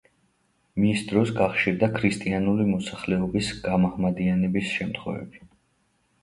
მის დროს გახშირდა ქრისტიანული მოსახლეობის გამაჰმადიანების შემთხვევები.